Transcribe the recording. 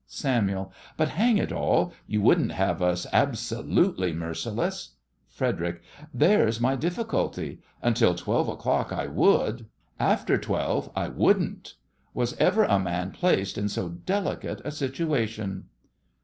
SAMUEL: But, hang it all! you wouldn't have us absolutely merciless? FREDERIC: There's my difficulty; until twelve o'clock I would, after twelve I wouldn't. Was ever a man placed in so delicate a situation?